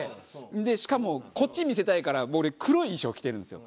でしかもこっち見せたいから俺黒い衣装を着てるんですよ。